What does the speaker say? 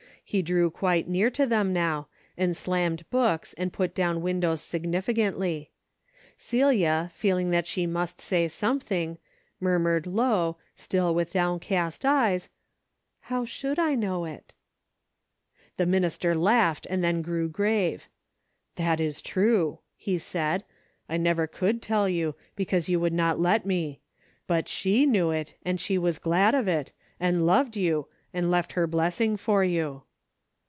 He drew quite near to them now, and slammed books and put down win dows significantly. Celia, feeling that she must say something, murmured low, still with downcast eyes, " How should I know it ?" The minister laughed and then grew grave. " That is true," he said, " I never could tell you, because you would not let me. But she knew it, and she was glad of it, and loved you, and left her blessing for you."